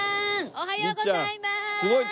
おはようございまーす！